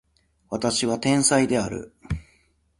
私は天才である